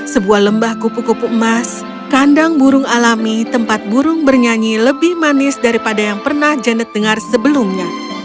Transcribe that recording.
sebuah lembah kupu kupu emas kandang burung alami tempat burung bernyanyi lebih manis daripada yang pernah janet dengar sebelumnya